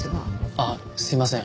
あっすいません。